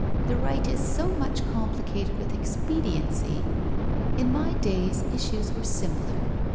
The right is so much complicated with ex pediency. In my days issues were simpler.